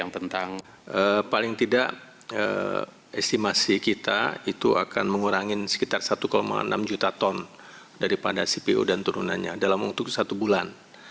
yang penting paling tidak estimasi kita itu akan mengurangi sekitar satu enam juta ton daripada cpo dan turunannya dalam waktu satu bulan